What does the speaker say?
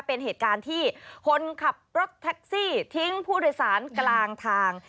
เป็นเหตุการณ์ที่คนขับรถแท็กซี่ทิ้งผู้โดยสารกลางทาง